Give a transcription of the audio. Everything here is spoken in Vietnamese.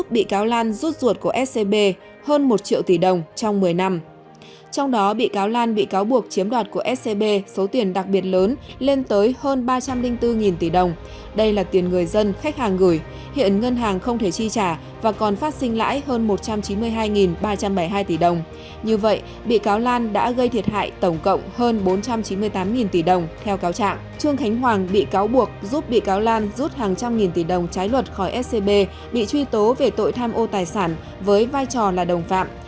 bị cáo lan rút hàng trăm nghìn tỷ đồng trái luật khỏi scb bị truy tố về tội tham ô tài sản với vai trò là đồng phạm